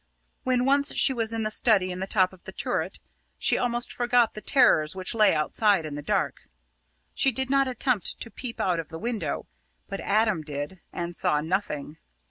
When once she was in the study in the top of the turret, she almost forgot the terrors which lay outside in the dark. She did not attempt to peep out of the window; but Adam did and saw nothing.